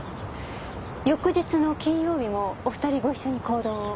翌日の金曜日もお２人ご一緒に行動を？